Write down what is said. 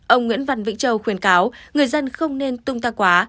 ông nguyễn văn vĩnh châu khuyên cáo người dân không nên tung tăng quá